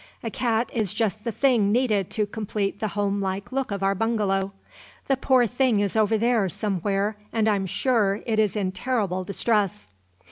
A cat is just the one thing needed to complete the homelike look of our bungalow. The poor thing is over there, somewhere, and I'm sure it is in terrible distress."